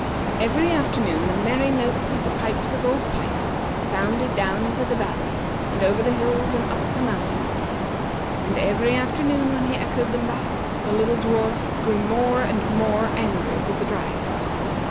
Every afternoon the merry notes of the pipes of Old Pipes sounded down into the valley and over the hills and up the mountain side; and every afternoon when he had echoed them back, the little dwarf grew more and more angry with the Dryad.